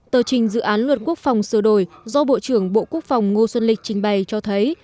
tờ trình dự án luật quốc phòng sửa đổi do bộ trưởng bộ quốc phòng ngô xuân lịch trình bày cho thấy